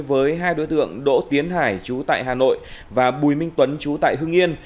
với hai đối tượng đỗ tiến hải chú tại hà nội và bùi minh tuấn chú tại hưng yên